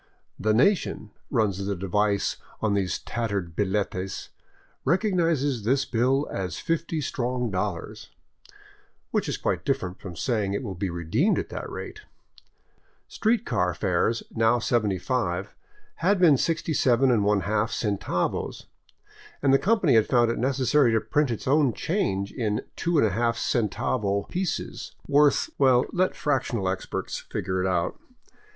" The nation," runs the device on these tattered billetes " recognizes this bill as fifty strong dollars," which is quite different from saying it will be redeemed at that rate. Street car fares, now 75, had been 67}^ centavos, and the company had found it necessary to print its own change in 2^ centavo pieces, worth — well, let fractional experts figure it out.